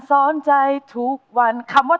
ยังเพราะความสำคัญ